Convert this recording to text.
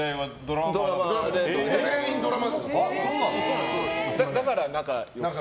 全員ドラマですから。